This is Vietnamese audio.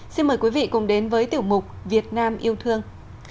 xin mời quý vị cùng đến với tiểu mục việt nam yêu thương